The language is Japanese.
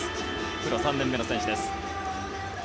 プロ３年目の選手。